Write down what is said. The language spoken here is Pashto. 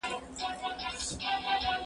نور پخلا یو زموږ او ستاسي دي دوستي وي